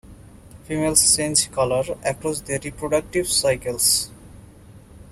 Females change color across their reproductive cycles.